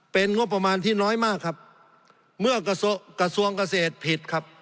เป็นงบประมาณที่น้อยมากครับเมื่อกระทรวงเกษตรผิดครับ